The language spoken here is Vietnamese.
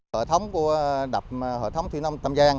hệ thống của đập hệ thống thủy nông tam giang